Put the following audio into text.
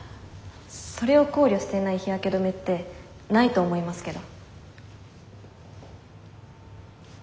それを考慮していない日焼け止めってないと思いますけど。